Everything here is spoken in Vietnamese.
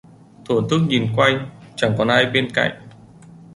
Thổn thức nhìn quanh, chẳng còn ai bên cạnh